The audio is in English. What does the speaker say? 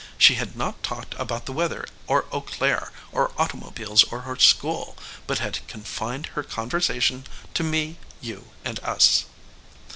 She had not talked about the weather or Eau Claire or automobiles or her school, but had confined her conversation to me, you, and us.